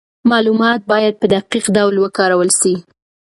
معلومات باید په دقیق ډول وکارول سي.